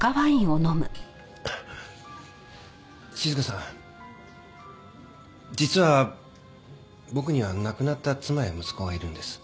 静香さん実は僕には亡くなった妻や息子がいるんです。